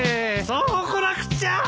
そうこなくっちゃ！